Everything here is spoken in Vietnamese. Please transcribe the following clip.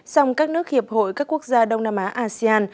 song các nước hiệp hội các quốc gia đông nam á asean